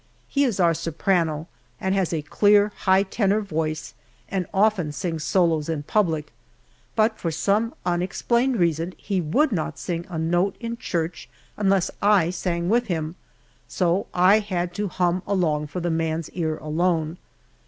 He is our soprano, and has a clear, high tenor voice and often sings solos in public, but for some unexplainable reason he would not sing a note in church unless I sang with him, so I had to hum along for the man's ear alone.